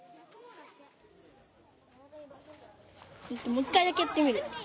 もう一回だけやってみる。